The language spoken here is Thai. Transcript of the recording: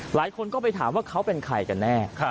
หลายคนก็ไปถามว่าเขาเป็นใครกันแน่